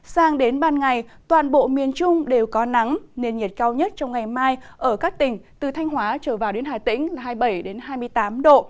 sang đến ban ngày toàn bộ miền trung đều có nắng nền nhiệt cao nhất trong ngày mai ở các tỉnh từ thanh hóa trở vào đến hà tĩnh là hai mươi bảy hai mươi tám độ